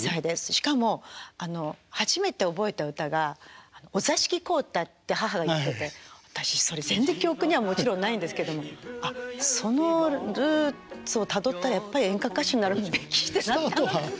しかも初めて覚えた歌が「お座敷小唄」って母が言ってて私それ全然記憶にはもちろんないんですけどもあっそのルーツをたどったらやっぱり演歌歌手になるべきしてなったのかなハハッ。